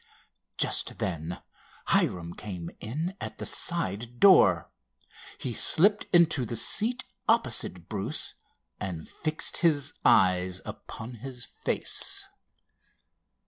Just then Hiram came in at a side door. He slipped into the seat opposite Bruce and fixed his eyes upon his face.